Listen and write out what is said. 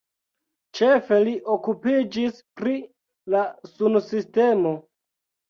Ĉefe li okupiĝis pri la sunsistemo.